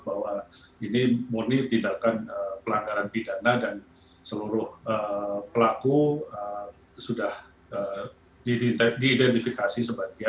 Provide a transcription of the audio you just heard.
bahwa ini murni tindakan pelanggaran pidana dan seluruh pelaku sudah diidentifikasi sebagai